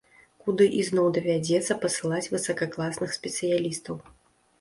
Куды ізноў давядзецца пасылаць высакакласных спецыялістаў.